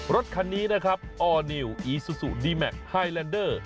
รถคันนี้นะครับออร์นิวอีซูซูดีแมคไฮแลนเดอร์